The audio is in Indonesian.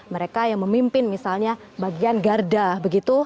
mereka yang memimpin misalnya bagian garda begitu